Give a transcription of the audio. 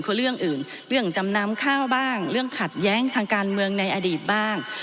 คือเรื่องอื่นเรื่องจำนำข้าวบ้างเรื่องขัดแย้งทางการเมืองในอดีตบ้าง